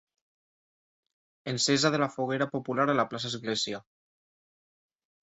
Encesa de la foguera popular a la plaça església.